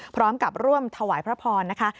พร้อมกับร่วมถวายพระพรนะคะ